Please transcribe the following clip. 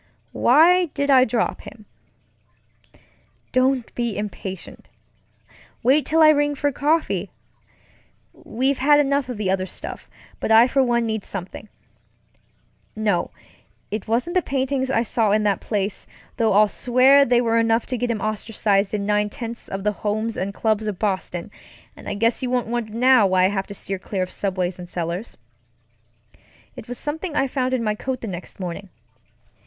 Why did I drop him? Don't be impatient. Wait till I ring for coffee. We've had enough of the other stuff, but I for one need something. NoŌĆöit wasn't the paintings I saw in that place; though I'll swear they were enough to get him ostracized in nine tenths of the homes and clubs of Boston, and I guess you won't wonder now why I have to steer clear of subways and cellars. It wasŌĆösomething I found in my coat the next morning.